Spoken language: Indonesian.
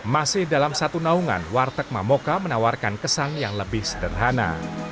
masih dalam satu naungan warteg mamoka menawarkan kesan yang lebih sederhana